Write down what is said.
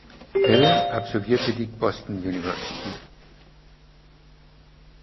Bell absolvierte die Boston University.